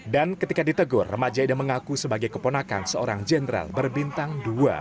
dan ketika ditegur remaja ini mengaku sebagai keponakan seorang jenderal berbintang dua